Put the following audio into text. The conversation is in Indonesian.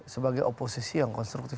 sebagai oposisi yang konstruktif